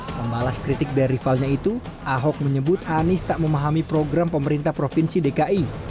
membalas kritik dari rivalnya itu ahok menyebut anies tak memahami program pemerintah provinsi dki